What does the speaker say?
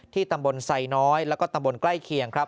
ตำบลไซน้อยแล้วก็ตำบลใกล้เคียงครับ